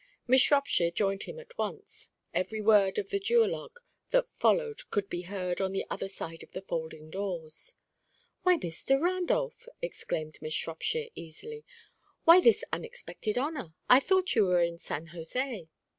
Miss Shropshire joined him at once. Every word of the duologue that followed could be heard on the other side of the folding doors. "Why, Mr. Randolph!" exclaimed Miss Shropshire, easily. "Why this unexpected honour? I thought you were in San José."